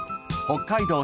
北海道・